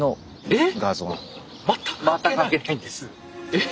えっ！